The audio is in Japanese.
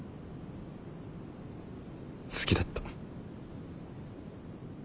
好きだった。